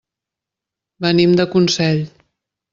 Venim de Consell.